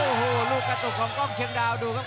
โอ้โหลูกกระตุกของกล้องเชียงดาวดูครับ